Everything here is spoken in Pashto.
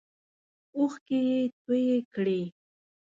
اوښکې یې تویی کړې.